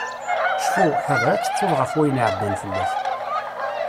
Cfu, ḥader ad tettuḍ ɣef wayen iɛeddan fell-ak.